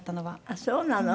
ああそうなの。